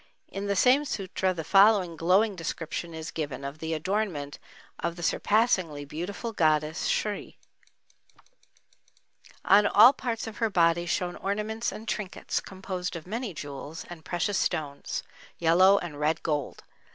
In the same sutra the following glowing description is given of the adornment of the surpassingly beautiful goddess Sri: On all parts of her body shone ornaments and trinkets, composed of many jewels and precious stones, yellow and red gold.